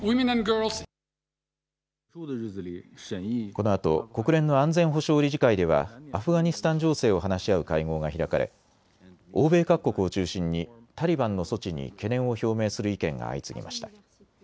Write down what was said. このあと国連の安全保障理事会ではアフガニスタン情勢を話し合う会合が開かれ欧米各国を中心にタリバンの措置に懸念を表明する意見が相次ぎました。